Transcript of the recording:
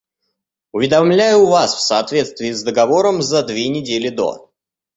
Уведомляю вас в соответствии с договором за две недели до.